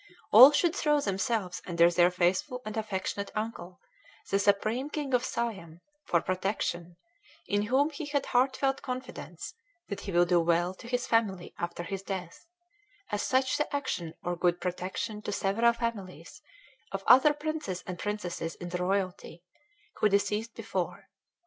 All should throw themselves under their faithful and affectionate uncle, the Supreme King of Siam, for protection, in whom he had heartfelt confidence that he will do well to his family after his death, as such the action or good protection to several families of other princes and princesses in the royalty, who deceased before.